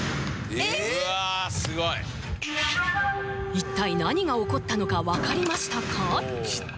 うわすごい一体何が起こったのか分かりましたか？